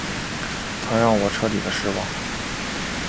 他让我彻底的失望